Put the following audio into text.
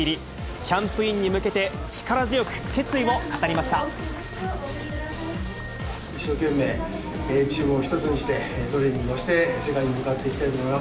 キャンプインに向けて、一生懸命チームを一つにして、トレーニングして、世界に向かっていきたいと思います。